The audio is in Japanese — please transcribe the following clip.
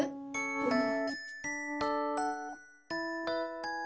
うん。